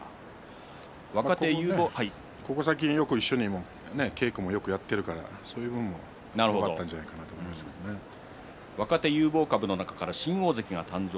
ここ最近一緒に稽古もよくやっているからそれもよかったんじゃないかな若手有望株の中から新大関が誕生